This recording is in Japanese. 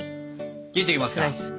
切っていきますか。